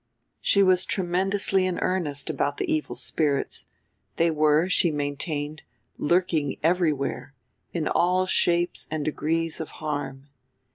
She was tremendously in earnest about the evil spirits they were, she maintained, lurking everywhere, in all shapes and degrees of harm.